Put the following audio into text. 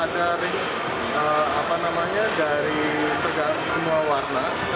dia ada dari semua warna